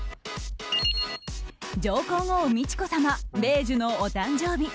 上皇后・美智子さま米寿のお誕生日。